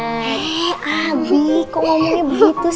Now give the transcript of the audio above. hei abi kok ngomongnya begitu